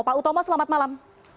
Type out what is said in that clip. pak utomo selamat malam